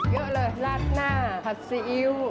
เยอะเลยราดหน้าผัดซีอิ๊ว